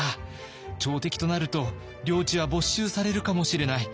朝敵となると領地は没収されるかもしれない。